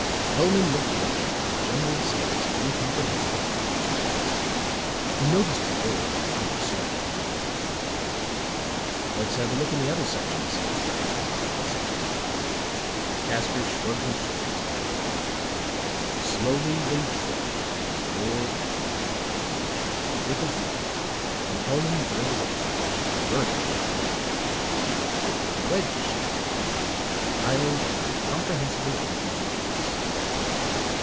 Hellman looked around at the jumbled stacks of incomprehensible alien goods. He noticed a door on either side of the room. "Let's have a look in the other sections," he suggested. Casker shrugged his shoulders apathetically. Slowly they trudged to the door in the left wall. It was locked and Hellman burned it open with the ship's burner. It was a wedge shaped room, piled with incomprehensible alien goods.